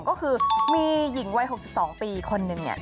ก็คือมีหญิงวัย๖๒ปีคนหนึ่ง